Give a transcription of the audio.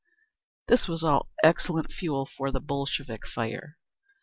This was all excellent fuel for the Bolshevik fire.